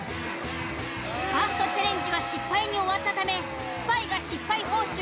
ファーストチャレンジは失敗に終わったためスパイが失敗報酬